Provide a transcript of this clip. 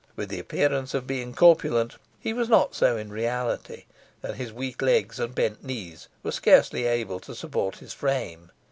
With the appearance of being corpulent, he was not so in reality, and his weak legs and bent knees were scarcely able to support his frame.